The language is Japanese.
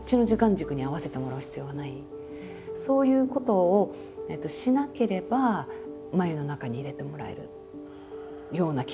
そういうことをしなければ繭の中に入れてもらえるような気がする。